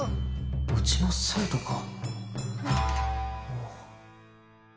うちの生徒か？